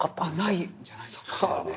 ないんじゃないですか。